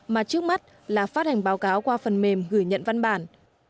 mà trước mắt là phát hành báo cáo qua phần mềm gửi nhận văn bản